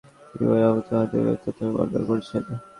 Ibn Abu Hatim এ তথ্যটিও বর্ণনা করেছেন।